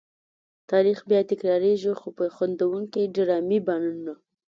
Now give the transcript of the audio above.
تاریخ بیا تکرارېږي خو په خندوونکې ډرامې بڼه.